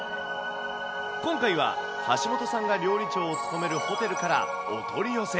今回は橋本さんが料理長を務めるホテルからお取り寄せ。